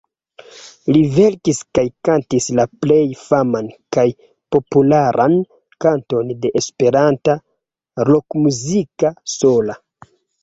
Li verkis kaj kantis la plej faman kaj popularan kanton de esperanta rokmuziko: 'Sola'.